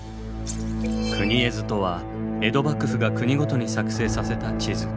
国絵図とは江戸幕府が国ごとに作成させた地図。